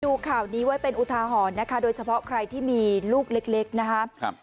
ข่าวนี้ไว้เป็นอุทาหรณ์นะคะโดยเฉพาะใครที่มีลูกเล็กนะครับ